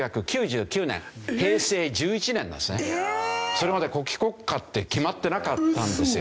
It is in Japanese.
それまで国旗国歌って決まってなかったんですよ。